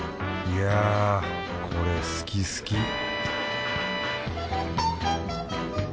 いやこれ好き好き